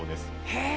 へえ。